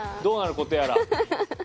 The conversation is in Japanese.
どうなる事やら。